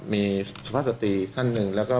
มีสุภาพฤตีท่านนึงแล้วก็